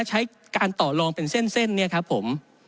ใช้การต่อลองเป็นเส้นเนี่ยครับผม